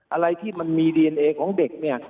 อะไรที่มันมีดีเอนเอของเด็กเนี่ย